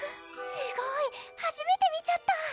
すごーいはじめて見ちゃった！